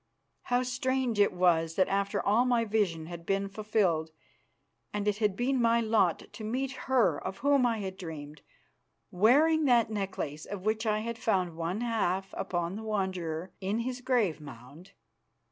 How strange it was that after all my vision had been fulfilled and it had been my lot to meet her of whom I had dreamed, wearing that necklace of which I had found one half upon the Wanderer in his grave mound.